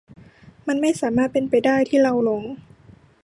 มันไม่สามารถเป็นไปได้ที่เราหลง